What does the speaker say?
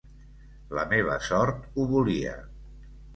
La meva sort ho volia.